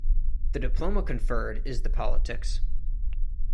The diploma conferred is the Politics.